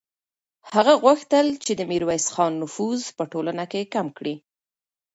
هغه غوښتل چې د میرویس خان نفوذ په ټولنه کې کم کړي.